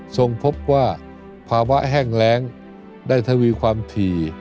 ส่งพบว่าภาวะแห้งแรงได้ทวีความถี่